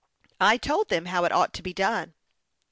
I told them how it ought to be done."